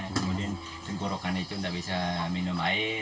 kemudian tengkorokan itu enggak bisa minum air